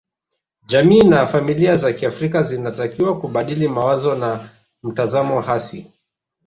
Jamii na familia za kiafrika zinatakiwa kubadili mawazo na mtazamo hasi